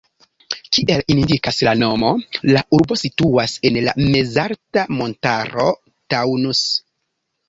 Kiel indikas la nomo, la urbo situas en la mezalta montaro Taunus.